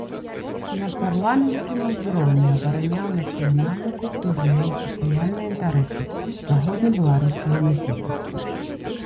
На парламенцкім узроўні абараняў нацыянальна-культурныя і сацыяльныя інтарэсы заходне-беларускага насельніцтва.